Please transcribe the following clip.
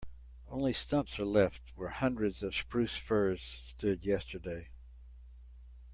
Only stumps are left where hundreds of spruce firs stood yesterday.